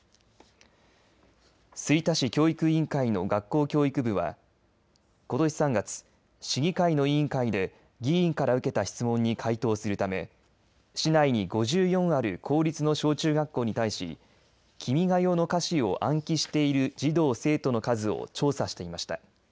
吹田市教育委員会の学校教育部はことし３月市議会の委員会で議員から受けた質問に回答するため市内に５４ある公立の小中学校に対し君が代の歌詞を暗記している児童、生徒の数を調査していました。